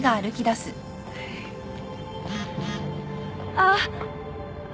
あっ。